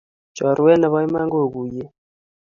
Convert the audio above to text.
Choruet nepo Iman kokuuyei